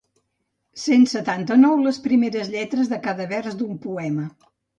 Cent setanta-nou les primeres lletres de cada vers d'un poema».